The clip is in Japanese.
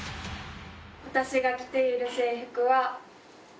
私が着ている制服は。